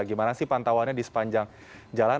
gimana sih pantauannya di sepanjang jalan